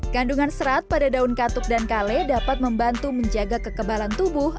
kandungan serat pada daun katuk dan kale dapat membantu menjaga kekebalan tubuh